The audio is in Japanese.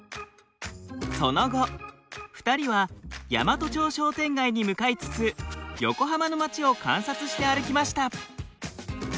その後２人は大和町商店街に向かいつつ横浜の街を観察して歩きました。